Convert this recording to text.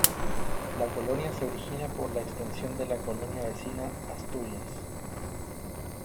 La colonia se origina por la extensión de la colonia vecina Asturias.